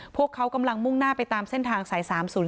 พวกเขากำลังมุ่งหน้าไปตามเส้นทางสาย๓๐๔